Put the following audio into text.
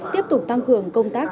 tiếp tục tăng cường công tác